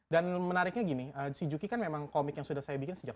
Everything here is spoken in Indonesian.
dan menariknya gini si juki kan memang komik yang sudah saya bikin sejak dua ribu sepuluh